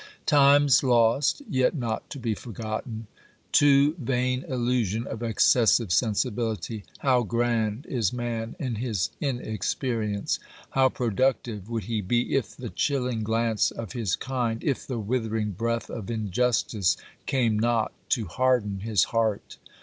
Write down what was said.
Times lost, yet not to be forgotten ! Too vain illusion of excessive sensibility ! How grand is man in his in experience ! How productive would he be if the chilUng glance of his kind, if the withering breath of injustice, came not to harden his heart